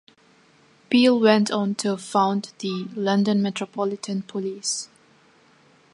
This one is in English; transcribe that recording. Peel went on to found the London Metropolitan Police.